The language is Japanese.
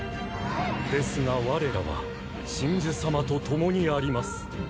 ですが我らは神樹様と共にあります。